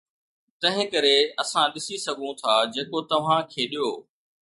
تنهنڪري اسان ڏسي سگهون ٿا جيڪو توهان کيڏيو